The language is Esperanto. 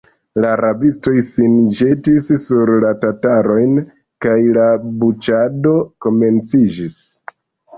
La rabistoj sin ĵetis sur la tatarojn, kaj la buĉado komenciĝis.